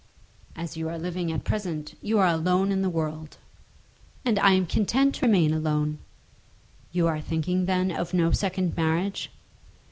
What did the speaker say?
"As you are living at present, you are alone in the world!" "And I am content to remain alone." "You are thinking, then, of no second marriage?"